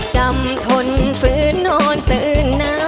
จำทนฝืนนอนเสือนน้ำ